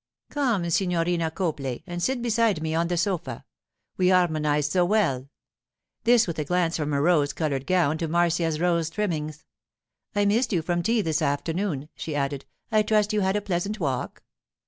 'Come, Signorina Copley, and sit beside me on the sofa; we harmonize so well'—this with a glance from her own rose coloured gown to Marcia's rose trimmings. 'I missed you from tea this afternoon,' she added. 'I trust you had a pleasant walk.